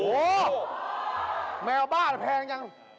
โหแมวบ้าแต่แพงจัง